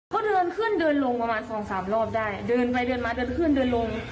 เขาเดินขึ้นเดินลงประมาณสองสามรอบได้เดินไปเดินมาเดินขึ้นเดินลง